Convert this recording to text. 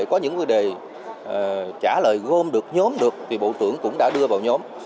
có những vấn đề trả lời gồm được nhóm được thì bộ trưởng cũng đã đưa vào nhóm